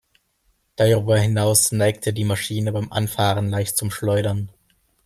Darüber hinaus neigte die Maschine beim Anfahren leicht zum Schleudern.